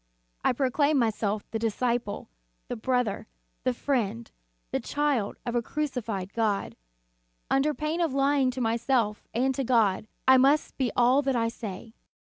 I proclaim myself the disciple, the brother, the friend, the child of a crucified God. Under pain of lying to to myself and to God, I must be all that I say.